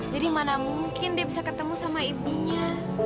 jadi mana mungkin dia bisa ketemu sama ibunya